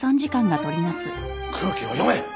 空気を読め！